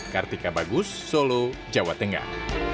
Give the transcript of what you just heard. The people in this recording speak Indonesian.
kartika bagus solo jawa tengah